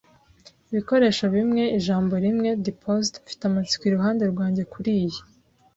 ibikoresho bimwe ijambo rimwe “Depposed.” Mfite amatsiko iruhande rwanjye kuriyi